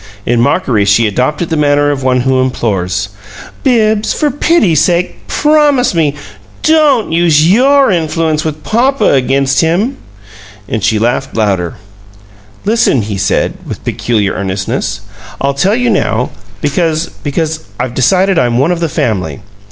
In mockery she adopted the manner of one who implores. "Bibbs, for pity's sake PROMISE me, DON'T use YOUR influence with papa against him!" And she laughed louder. "Listen," he said, with peculiar earnestness. "I'll tell you now, because because I've decided I'm one of the family."